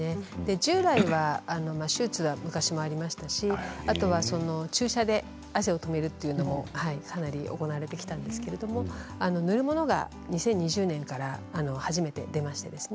従来は手術、昔はありましたし注射で汗を止めるというのもかなり行われてきたんですけれど塗るものが２０２０年から初めて出ました。